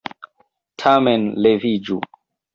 Tamen leviĝu!